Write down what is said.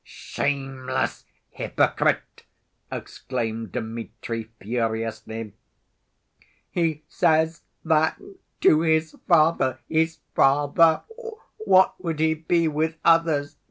"Shameless hypocrite!" exclaimed Dmitri furiously. "He says that to his father! his father! What would he be with others?